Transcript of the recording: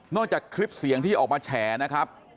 จากคลิปเสียงที่ออกมาแฉนะครับ